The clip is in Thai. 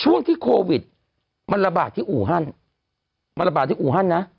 ช่วงที่โควิดมันระบาดที่อูอาน